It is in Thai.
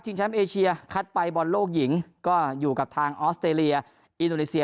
แชมป์เอเชียคัดไปบอลโลกหญิงก็อยู่กับทางออสเตรเลียอินโดนีเซีย